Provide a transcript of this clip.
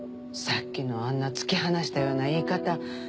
さっきのあんな突き放したような言い方。